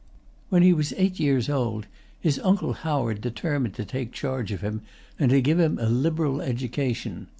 When he was eight years old, his uncle Howard determined to take charge of him, and to give him a liberal education.